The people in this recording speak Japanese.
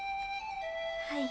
はい。